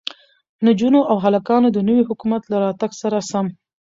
نجونو او هلکانو د نوي حکومت له راتگ سره سم